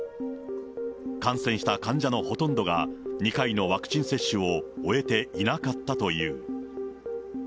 感染した患者のほとんどが２回のワクチン接種を終えていなかったという。